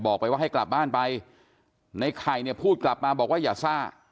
บอกไปว่าให้กลับบ้านไปในไข่เนี่ยพูดกลับมาบอกว่าอย่าซ่า